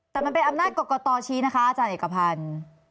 แต่มันเป็นอำนาจกรกตชี้นะคะอาจารย์เอกพันธ์